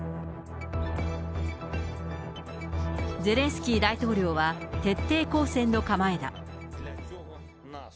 ゼレンスキー大統領は、徹底抗戦の構えだ。